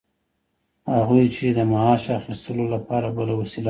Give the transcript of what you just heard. هغوی چې د معاش اخیستلو لپاره بله وسیله نلري